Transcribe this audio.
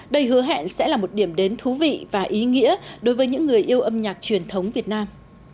đây hứa hẹn sẽ là một điểm đến thú vị và ý nghĩa đối với những người yêu âm nhạc truyền thống việt nam